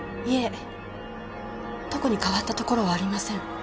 特に変わったところはありません。